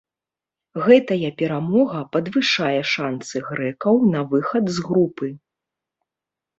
Гэтая перамога падвышае шанцы грэкаў на выхад з групы.